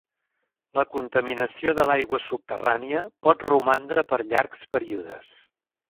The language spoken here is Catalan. La contaminació de l'aigua subterrània pot romandre per llargs períodes.